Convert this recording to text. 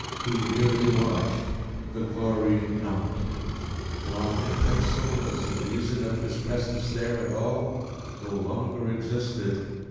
He merely watched. The glory numbed him. Block and pencil, as the reason of his presence there at all, no longer existed....